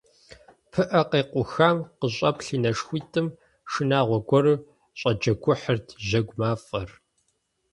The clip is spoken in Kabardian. ПыӀэ къекъухам къыщӀэплъ и нэшхуитӀым шынагъуэ гуэру щӀэджэгухьырт жьэгу мафӀэр.